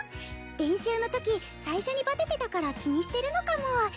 練習のとき最初にバテてたから気にしてるのかも。